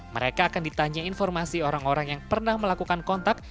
mereka akan ditanya informasi orang orang yang pernah melakukan kontak